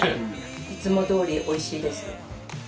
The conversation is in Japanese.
いつもどおり美味しいです。